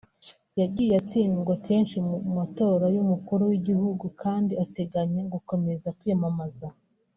yagiye atsindwa kenshi mu matora y’umukuru w’igihugu kandi ateganya gukomeza kwiyamamaza